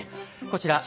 こちら。